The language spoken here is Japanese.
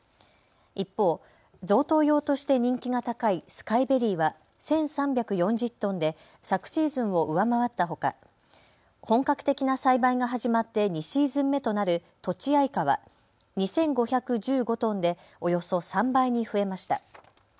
一方、贈答用として人気が高いスカイベリーは１３４０トンで昨シーズンを上回ったほか本格的な栽培が始まって２シーズン目となるとちあいかは、２５１５トンでおよそ３倍に増えました。